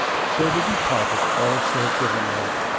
So they departed all save Gouvernail.